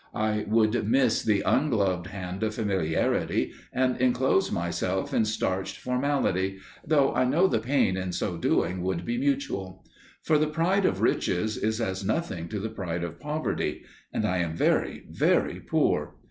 I would miss the ungloved hand of familiarity and enclose myself in starched formality, though I know the pain in so doing would be mutual. For the pride of riches is as nothing to the pride of poverty, and I am very, very poor!